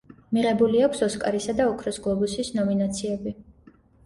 მიღებული აქვს ოსკარისა და ოქროს გლობუსის ნომინაციები.